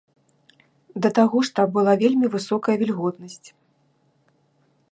Да таго ж там была вельмі высокая вільготнасць.